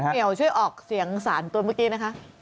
เหี่ยวช่วยออกเสียงสารตัวเมื่อกี้นะคะ